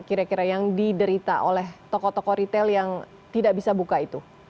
kira kira yang diderita oleh toko toko retail yang tidak bisa buka itu